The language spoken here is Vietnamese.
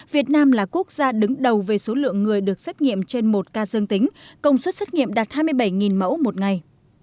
việt nam là quốc gia đứng đầu về số lượng người được xét nghiệm trên một ca dương tính công suất xét nghiệm đạt hai mươi bảy mẫu một ngày